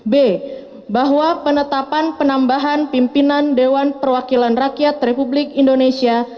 b bahwa penetapan penambahan pimpinan dewan perwakilan rakyat republik indonesia